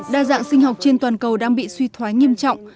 đa dạng sinh học trên toàn cầu đang bị suy thoái nghiêm trọng